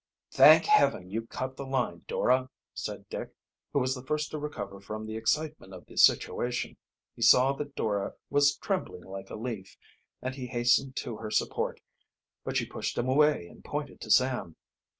"Thank Heaven you cut the line, Dora!" said Dick, who was the first to recover from the excitement of the situation. He saw that Dora was trembling like a leaf, and he hastened to her support, but she pushed him away and pointed to Sam.